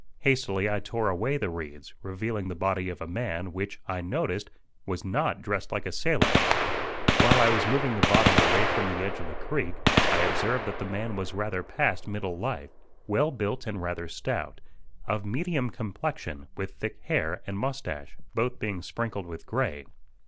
Hastily I tore away the reeds, revealing the body of a man, which, I noticed, was not dressed like a sailor. While I was moving the body away from the edge of the creek I observed that the man was rather past middle life, well built and rather stout, of medium complexion, with thick hair and moustache, both being sprinkled with gray.